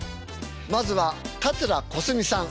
まずは桂小すみさん。